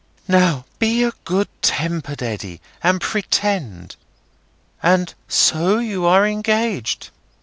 "Now, be a good tempered Eddy, and pretend. And so you are engaged?"